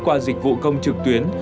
qua dịch vụ công trực tuyến